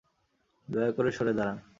দয়া করে সরে দাঁড়ান।